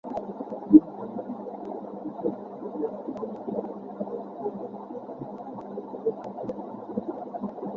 তিনি বললেন: 'এটি আকাশের একটি দরজা যা আজ খোলা হয়েছে এবং যা আজকের আগে কখনও খোলা হয়নি।'